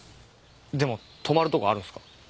でも泊まるとこあるんすか？